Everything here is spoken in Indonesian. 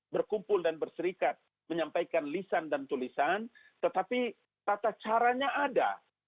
berkumpul dan berserikat menyampaikan lisan dan tulisan tetapi tata caranya ada